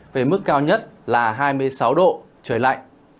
về mức cao nhất là hai mươi sáu độ trời lạnh